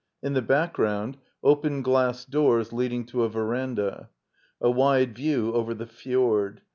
In the background, open glass doors, leading to a veranda. A wide view over the fjord.